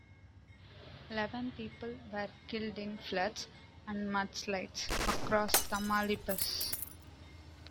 Eleven people were killed in floods and mudslides across Tamaulipas.